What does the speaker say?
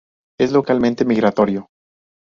Es localmente migratorio.